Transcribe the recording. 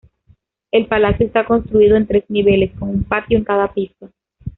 El palacio está construido en tres niveles con un patio en cada piso.